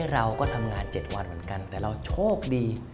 เราก็ทำงาน๗วันเหมือนกันแต่เราโชคดี